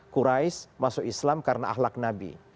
kurais masuk islam karena ahlak nabi